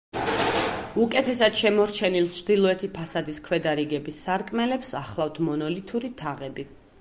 უკეთესად შემორჩენილ ჩრდილოეთი ფასადის ქვედა რიგების სარკმელებს ახლავთ მონოლითური თაღები.